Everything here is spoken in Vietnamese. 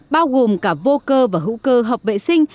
bao gồm cả vô cơ và hữu cơ hợp vệ sinh